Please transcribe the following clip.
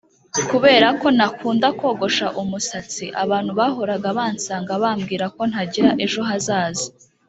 kuberako ntakunda kogosha umusatsi abantu bahoraga bansanga bambwira ko ntagira ejo hazaza.